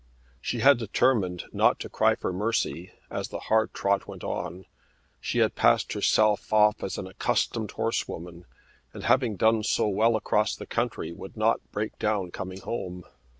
She had determined not to cry for mercy as the hard trot went on. She had passed herself off as an accustomed horsewoman, and having done so well across the country, would not break down coming home.